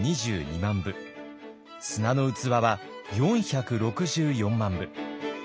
「砂の器」は４６４万部。